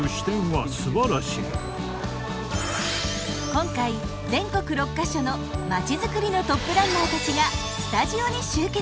今回全国６か所のまちづくりのトップランナーたちがスタジオに集結。